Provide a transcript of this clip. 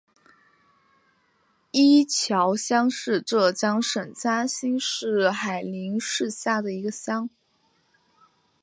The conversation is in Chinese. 伊桥乡是浙江省嘉兴市海宁市下的一个乡。